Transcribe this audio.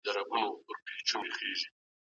د ارغنداب سیند غاړه د کورنیو د تفریح ځای دی.